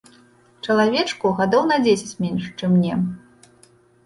Чалавечку гадоў на дзесяць менш, чым мне.